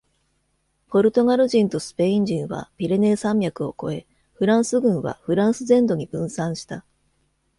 ポルトガル人とスペイン人はピレネー山脈を越え、フランス軍はフランス全土に分散した。